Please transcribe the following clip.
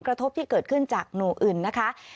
กระทบที่เกิดขึ้นจากหน่วยอื่นนะคะ